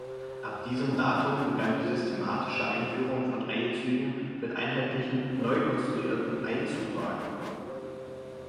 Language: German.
Ab diesem Datum begann die systematische Einführung von Eilzügen mit einheitlichen, neu konstruierten Eilzugwagen.